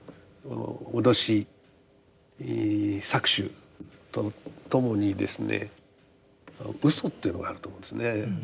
脅し搾取とともにですね嘘というのがあると思うんですね。